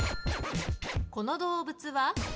この動物は？